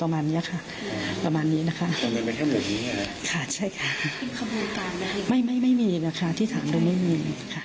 ไม่มีนะคะที่ถามเลยไม่มี